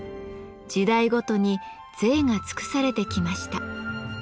時代ごとに贅が尽くされてきました。